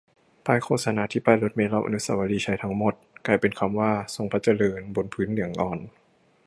ป้ายโฆษณาที่ป้ายรถเมล์รอบอนุสาวรีย์ชัยทั้ง หมด กลายเป็นคำว่า "ทรงพระเจริญ" บนพื้นเหลืองอ่อน